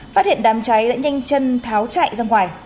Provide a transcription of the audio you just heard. phát hiện đám cháy đã nhanh chân tháo chạy ra ngoài